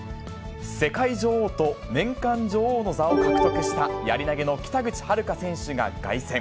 世界女王と年間女王の座を獲得した、やり投げの北口榛花選手が凱旋。